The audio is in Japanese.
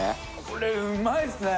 これうまいですね。